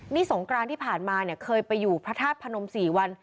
นี่สงกรานที่ผ่านมาเนี่ยเคยไปอยู่พระธาตุพนม๔วัน